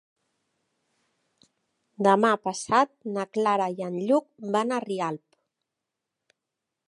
Demà passat na Clara i en Lluc van a Rialp.